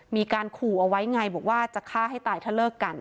มีการขู่เอาไว้ไงบอกว่าจะฆ่าให้ตายถ้าเลิกกัน